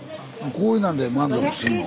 こういうなんで満足すんの？